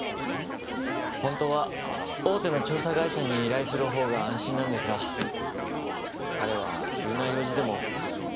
本当は大手の調査会社に依頼するほうが安心なんですが彼は急な用事でも引き受けてくれましたからね。